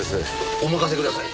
お任せください。